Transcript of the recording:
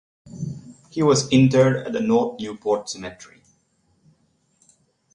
He was interred at the North Newport Cemetery.